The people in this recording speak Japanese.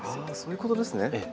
あそういうことですね。